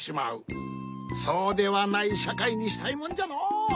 そうではないしゃかいにしたいもんじゃのう。